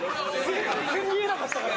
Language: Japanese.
全然見えなかったから。